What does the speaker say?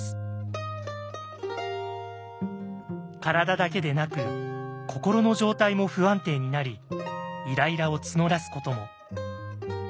体だけでなく心の状態も不安定になりイライラを募らすことも。